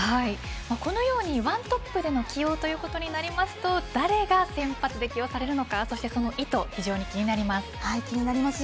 このように１トップでも起用ということになりますと誰が先発で起用されるのかそしてその意図非常に気になります。